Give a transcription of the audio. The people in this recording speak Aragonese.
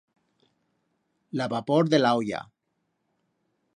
La vapor de la olla.